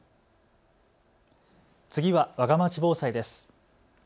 次はわがまち防災です。